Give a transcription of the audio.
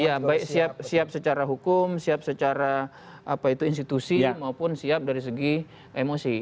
iya baik siap secara hukum siap secara apa itu institusi maupun siap dari segi emosi